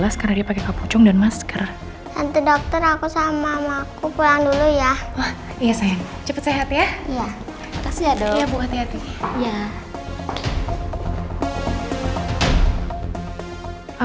sampai jumpa di video selanjutnya